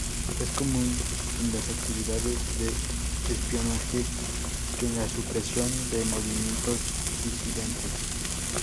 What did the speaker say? Es común en las actividades de espionaje y en la supresión de movimientos disidentes.